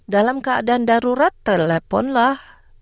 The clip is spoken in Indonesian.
dalam keadaan darurat teleponlah